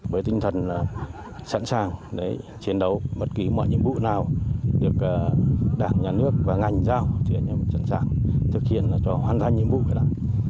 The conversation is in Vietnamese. với tinh thần là sẵn sàng chiến đấu bất kỳ mọi nhiệm vụ nào được đảng nhà nước và ngành giao thì anh em sẵn sàng thực hiện cho hoàn thành nhiệm vụ phải làm